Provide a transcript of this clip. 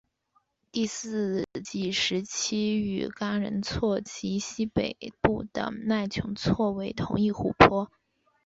第四纪时期与嘎仁错及西北部的麦穷错为同一湖泊。